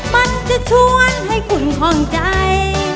มันจะชวนให้คุณคล่องใจ